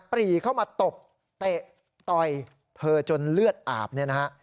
ปรีเข้ามาตบเตะต่อยเธอจนเลือดอาบเนี่ยนะฮะ